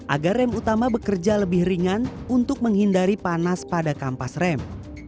agar rem utama bekerja lebih ringan untuk menghindari panas pada kampas rem